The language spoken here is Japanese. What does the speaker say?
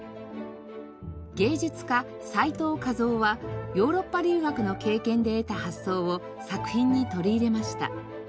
芸術家斎藤佳三はヨーロッパ留学の経験で得た発想を作品に取り入れました。